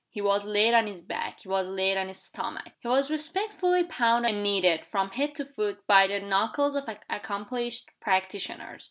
He was laid on his back; he was laid on his stomach; he was respectfully pounded and kneaded, from head to foot, by the knuckles of accomplished practitioners.